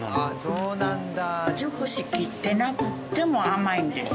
そうなんだ！